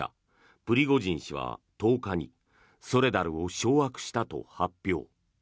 プリゴジン氏は１０日にソレダルを掌握したと発表。